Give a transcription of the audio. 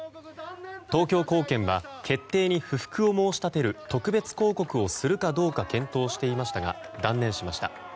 東京高検は決定に不服を申し立てる特別抗告をするかどうか検討していましたが断念しました。